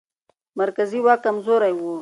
مرکزي واک کمزوری و.